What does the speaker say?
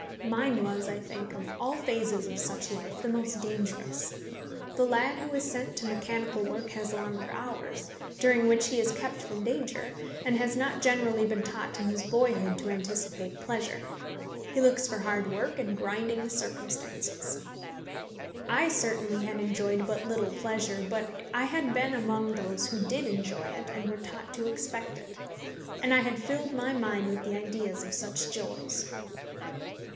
Mine was, I think, of all phases of such life the most dangerous. The lad who is sent to mechanical work has longer hours, during which he is kept from danger, and has not generally been taught in his boyhood to anticipate pleasure. He looks for hard work and grinding circumstances. I certainly had enjoyed but little pleasure, but I had been among those who did enjoy it and were taught to expect it. And I had filled my mind with the ideas of such joys.